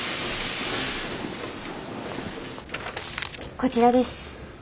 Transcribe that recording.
こちらです。